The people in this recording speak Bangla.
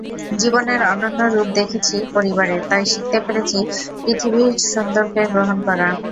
জীবনের অনন্য রূপ দেখেছি পরিবারে, তাই শিখতে পেরেছি পৃথিবীর সুন্দরকে গ্রহণ করা।